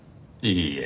いいえ。